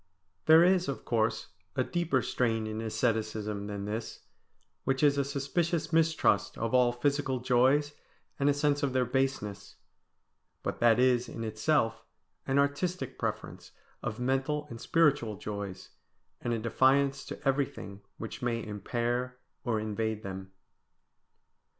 There is, of course, a deeper strain in asceticism than this, which is a suspicious mistrust of all physical joys and a sense of their baseness; but that is in itself an artistic preference of mental and spiritual joys, and a defiance to everything which may impair or invade them.